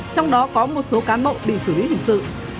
trong đó có một số cán bộ bị xử lý hình sự